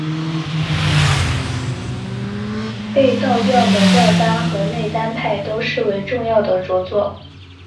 被道教的外丹和内丹派都视为重要的着作。